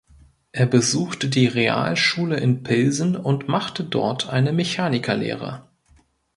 Er besuchte die Realschule in Pilsen und machte dort eine Mechanikerlehre.